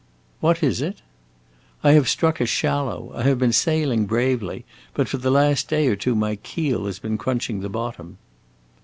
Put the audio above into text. "What is it?" "I have struck a shallow! I have been sailing bravely, but for the last day or two my keel has been crunching the bottom."